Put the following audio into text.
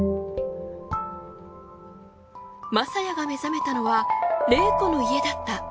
雅也が目覚めたのは怜子の家だった。